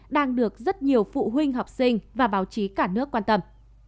đang được rất nhiều phụ huynh học sinh và báo chí cả nước quan tâm